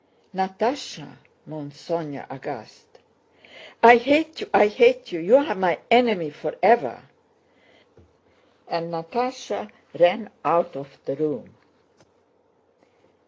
"Natásha!" moaned Sónya, aghast. "I hate you, I hate you! You're my enemy forever!" And Natásha ran out of the room.